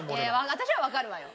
私はわかるわよ。